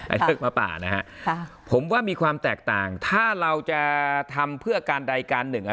เชือกมะป่านะฮะค่ะผมว่ามีความแตกต่างถ้าเราจะทำเพื่อการใดการหนึ่ง